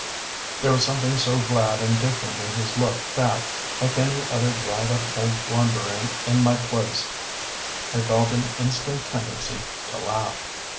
There was something so glad and different in his look that like any other dried up old blunderer in my place I felt an instant tendency to laugh.